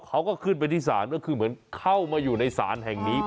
เขาก็ขึ้นไปที่ศาลก็คือเหมือนเข้ามาอยู่ในศาลแห่งนี้